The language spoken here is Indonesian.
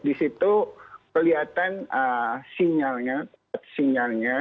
di situ kelihatan sinyalnya